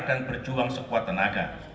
dan berjuang sekuat tenaga